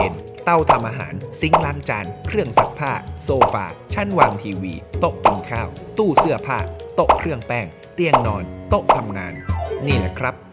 นี่แหละครับ